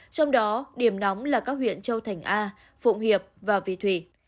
trong đó điểm nóng là các huyện châu thành a phụng hiệp và vị thủy